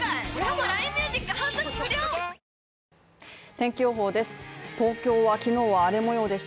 天気予報です。